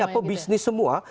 ya pebisnis semua